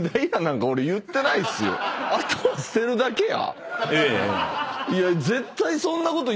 「あとは捨てるだけや」？